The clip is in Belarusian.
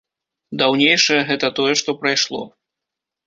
Даўнейшае гэта тое, што прайшло.